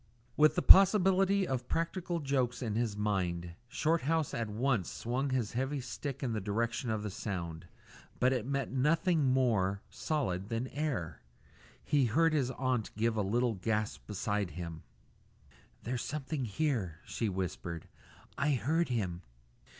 With the possibility of practical jokes in his mind, Shorthouse at once swung his heavy stick in the direction of the sound; but it met nothing more solid than air. He heard his aunt give a little gasp beside him. "There's someone here," she whispered; "I heard him."